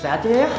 sehat ya ya